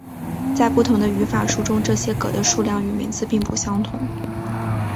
在不同的语法书中这些格的数量与名字并不相同。